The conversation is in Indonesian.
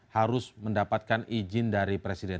harus mendapatkan izin dari presiden